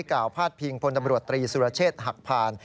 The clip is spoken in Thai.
พาดพิงพลตำรวจตรีสุรเชษฐ์หักผ่าน